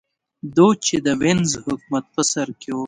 دوج چې د وینز حکومت په سر کې و